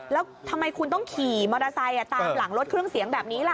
แล้วทำไมคุณต้องขี่มอเตอร์ไซค์ตามหลังรถเครื่องเสียงแบบนี้ล่ะ